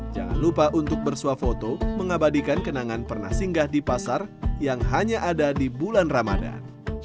jangan lupa untuk bersuah foto mengabadikan kenangan pernah singgah di pasar yang hanya ada di bulan ramadan